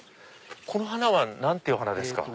この花は何ていう花ですか？